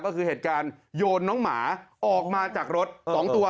ก็คือเหตุการณ์โยนน้องหมาออกมาจากรถ๒ตัว